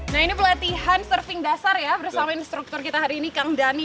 nah ini pelatihan surfing dasar ya bersama instruktur kita hari ini kang dhani